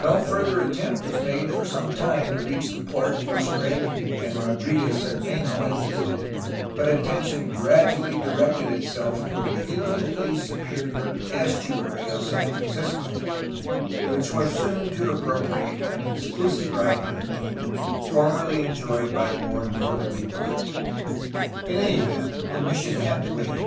No further attempt was made for some time to reach the port which Drake and Rodriguez Cermenho had visited, but attention gradually directed itself toward the infinitely superior "estuary" of San Francisco, which soon was to appropriate an exclusive light to the name PRECARIOUS FOOTING OF THE EARLY SETTLEMENTS 251 formerly enjoyed by the more northerly ''port/* In any event the mission had to wait.